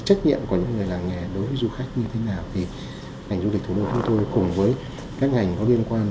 trách nhiệm của những người làng nghề đối với du khách như thế nào thì ngành du lịch thủ đô chúng tôi cùng với các ngành có liên quan